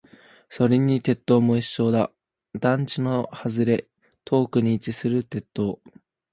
それに鉄塔も一緒だ。団地の外れ、遠くに位置する鉄塔。